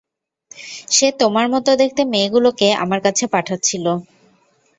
সে তোমার মত দেখতে মেয়েগুলোকে আমার কাছে পাঠাচ্ছিল।